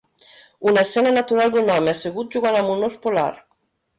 Una escena natural d'un home assegut jugant amb un os polar.